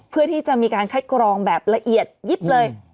เพื่อที่จะมีการคัดกรองแบบละเอียดยิบเลย